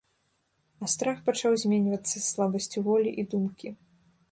А страх пачаў зменьвацца слабасцю волі і думкі.